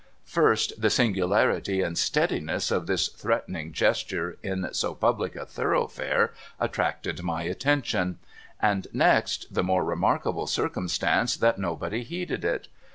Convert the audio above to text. First, the singularity and steadiness of this threatening gesture in so public a thoroughfare attracted my attention ; and next, the more remarkable circumstance that nobody heeded it.